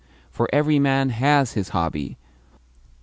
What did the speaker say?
For every man HAS his hobby.